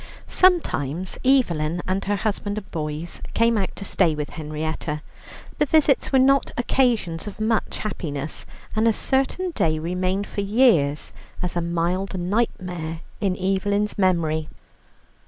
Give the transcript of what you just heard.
Sometimes Evelyn and her husband and boys came out to stay with Henrietta. The visits were not occasions of much happiness, and a certain day remained for years as a mild nightmare in Evelyn's memory.